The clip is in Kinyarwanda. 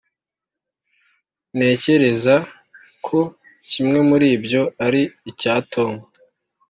ntekereza ko kimwe muri ibyo ari icya tom.